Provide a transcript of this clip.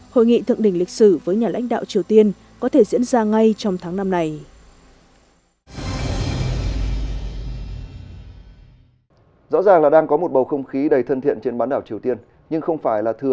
hội nghị thượng đỉnh lịch sử với nhà lãnh đạo triều tiên có thể diễn ra ngay trong tháng năm này